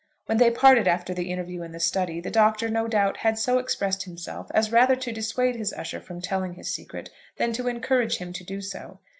When they parted after the interview in the study, the Doctor, no doubt, had so expressed himself as rather to dissuade his usher from telling his secret than to encourage him to do so.